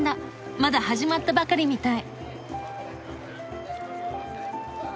まだ始まったばかりみたい。